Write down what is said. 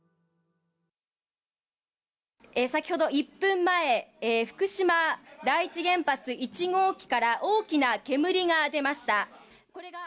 先ほど、１分前、福島第一原発１号機から大きな煙が出ました。